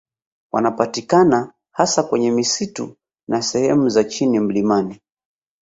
Wanapatikana hasa kwenye misitu na sehemu za chini mlimani